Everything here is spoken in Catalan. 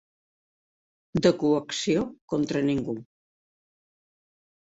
De coacció contra ningú.